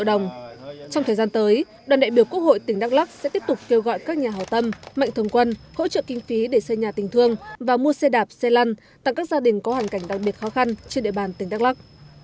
trong thời gian tới đoàn đại biểu quốc hội tỉnh đắk lắc sẽ tiếp tục kêu gọi các nhà hào tâm mạnh thường quân hỗ trợ kinh phí để xây nhà tình thương và mua xe đạp xe lăn tặng các gia đình có hoàn cảnh đặc biệt khó khăn trên địa bàn tỉnh đắk lắc